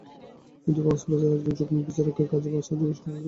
কিন্তু কক্সবাজারে একজন যুগ্ম বিচারকের কাছে পাঁচ হাজারের বেশি মামলা আছে।